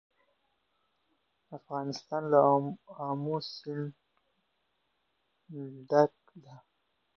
افغانستان له آمو سیند ډک دی.